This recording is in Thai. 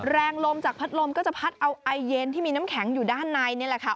แรงลมจากพัดลมก็จะพัดเอาไอเย็นที่มีน้ำแข็งอยู่ด้านในนี่แหละค่ะ